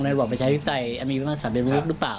ในหวัดประชายฤทธิ์ไตยมีความสามารถเป็นลูกหรือเปล่า